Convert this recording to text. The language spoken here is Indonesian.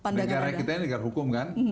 negara kita ini negara hukum kan